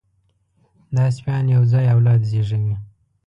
دا سپيان یو ځای اولاد زېږوي.